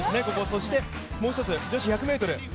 そしてもう一つ、女子１００ｍ。